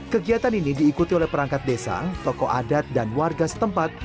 kegiatan ini diikuti oleh perangkat desa toko adat dan warga setempat